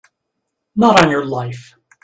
Not on your life!